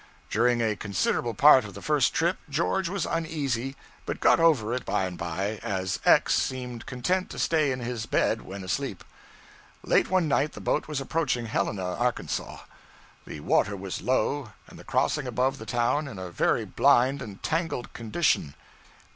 During a considerable part of the first trip George was uneasy, but got over it by and by, as X. seemed content to stay in his bed when asleep. Late one night the boat was approaching Helena, Arkansas; the water was low, and the crossing above the town in a very blind and tangled condition.